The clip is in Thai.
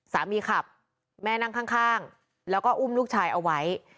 สามีขับแม่นั่งข้างแล้วก็อุ้มลูกชายเอาไว้